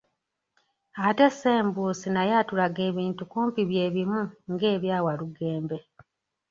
Ate Ssembuusi naye atulaga ebintu kumpi bye bimu ng'ebya Walugembe.